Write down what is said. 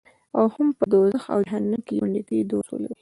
او هم په دوزخ او جهنم کې یو نږدې دوست ولري.